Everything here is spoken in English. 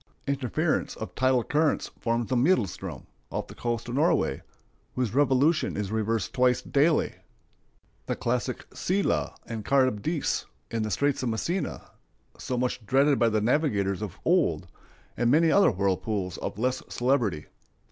Interference of tidal currents forms the Maelstrom, off the coast of Norway, whose revolution is reversed twice daily, the classic Scylla and Charybdis, in the Straits of Messina, so much dreaded by the navigators of old, and many other whirlpools of less celebrity.